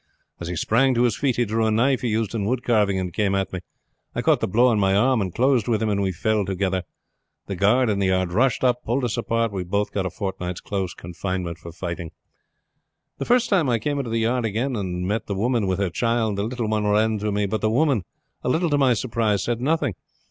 As he sprang to his feet he drew a knife he used in wood carving and came at me. I caught the blow on my arm and closed with him, and we fell together. The guard in the yard rushed up and pulled us apart, and we both got a fortnight's close confinement for fighting. "The first time I came into the yard again and met the woman with her child, the little one ran to me; but the woman, a little to my surprise, said nothing.